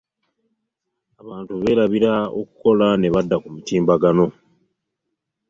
abantu beerabira okukola ne badda ku mutimbagano.